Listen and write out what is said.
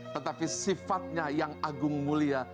tetapi sifatnya yang agung mulia